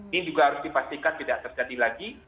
ini juga harus dipastikan tidak terjadi lagi